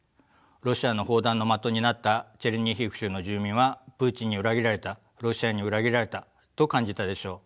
ロシアの砲弾の的になったチェルニヒウ州の住民はプーチンに裏切られたロシアに裏切られたと感じたでしょう。